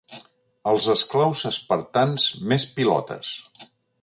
Els esclaus espartans més pilotes.